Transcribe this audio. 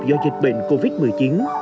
do dịch bệnh covid một mươi chín